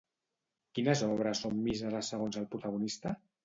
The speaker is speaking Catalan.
Quines obres són míseres segons el protagonista?